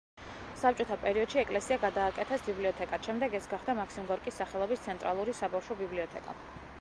საბჭოთა პერიოდში ეკლესია გადააკეთეს ბიბლიოთეკად, შემდეგ ეს გახდა მაქსიმ გორკის სახელობის ცენტრალური საბავშვო ბიბლიოთეკა.